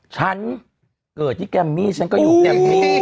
ฉันเกิดที่แกมมี่ฉันก็อยู่แกรมมี่